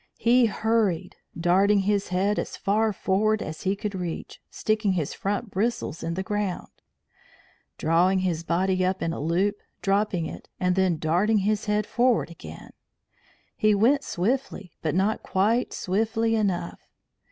He hurried, darting his head as far forward as he could reach, sticking his front bristles in the ground, drawing his body up in a loop, dropping it, and then darting his head forward again. He went swiftly, but not quite swiftly enough.